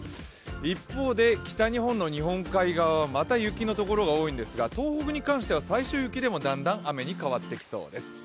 一方、北日本の日本海側はまた雪のところが多いんですが東北に関しては最初雪でも、だんだん雨に変わってきそうです。